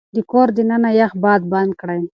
د کور دننه يخ باد بند کړئ.